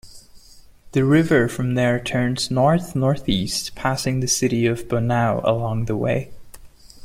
The river from there turns north-northeast passing the city of Bonao along the way.